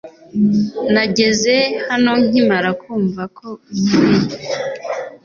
Nageze hano nkimara kumva ko unkeneye